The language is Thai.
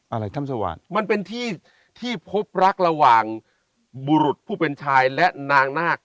อะไรถ้ำสว่างมันเป็นที่ที่พบรักระหว่างบุรุษผู้เป็นชายและนางนาค